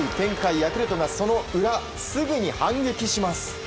ヤクルトはその裏、すぐに反撃します。